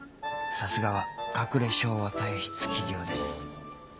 さすがは隠れ昭和体質企業です